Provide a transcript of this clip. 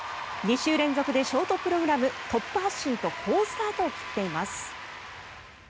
２週連続でショートプログラムトップ発進と好スタートを切っています。